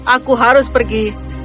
aku harus pergi